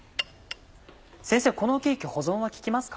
先生このケーキ保存は利きますか？